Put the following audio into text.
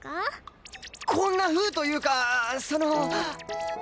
こんなふうというかその。